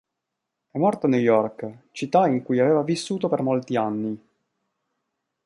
È morto a New York, città in cui aveva vissuto per molti anni.